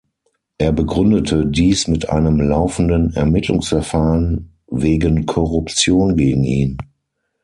Er begründete dies mit einem laufenden Ermittlungsverfahren wegen Korruption gegen ihn.